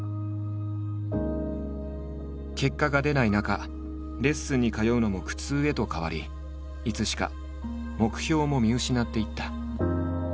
結果が出ない中レッスンに通うのも苦痛へと変わりいつしか目標も見失っていった。